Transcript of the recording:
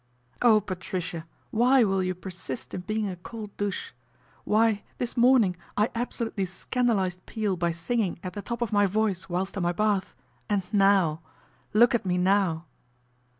" Oh, Patricia ! why will you persist in being a cold douche ? Why this morning I absolutely scandalised Peel by singing at the top of my voice whilst in my bath, and now. Look at me now